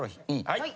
はい。